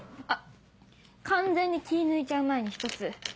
あっ完全に気抜いちゃう前に１つ。